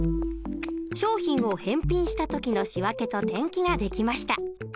商品を返品した時の仕訳と転記ができました。